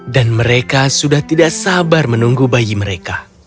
dan mereka sudah tidak sabar menunggu bayi mereka